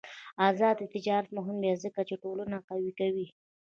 آزاد تجارت مهم دی ځکه چې ټولنه قوي کوي.